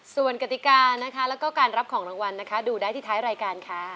ส่วนกติกานะคะแล้วก็การรับของรางวัลนะคะดูได้ที่ท้ายรายการค่ะ